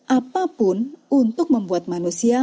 apapun untuk membuat manusia